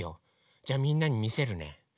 じゃみんなにみせるね。